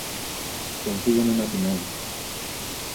Consiguen un final.